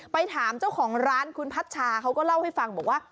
ไปถามเจ้าของร้านคุณพัชชาเขาก็เล่าให้ฟังบอกว่า